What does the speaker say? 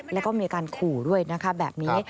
แล้วก็มีการขู่ด้วยนะคะแบบนี้